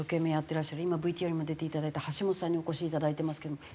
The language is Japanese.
てらっしゃる今ＶＴＲにも出ていただいた橋本さんにお越しいただいてますけども。